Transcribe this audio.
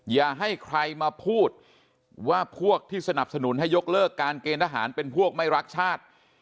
อย่าให้ใครมาพูดว่าพวกที่สนับสนุนให้ยกเลิกการเกณฑ์ทหารเป็นพวกไม่รักชาติ